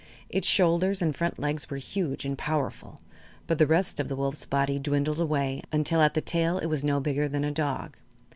Its shoulders and front legs were huge and powerful, but the rest of the wolf's body dwindled away until at the tail it was no bigger than a dog.